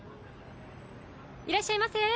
いらっしゃいませ！